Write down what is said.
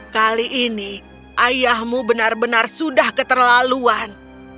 kali ini ayahmu benar benar sudah keterlaluan